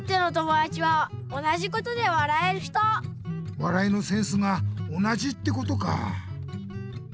わらいのセンスが同じってことか！